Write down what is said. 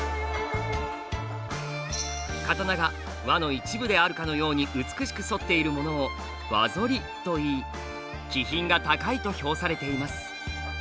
刀が輪の一部であるかのように美しく反っているものを「輪反り」といい「気品が高い」と評されています。